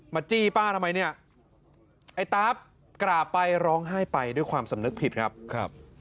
จี้ป้าทำไมเนี่ยไอ้ตาฟกราบไปร้องไห้ไปด้วยความสำนึกผิดครับครับ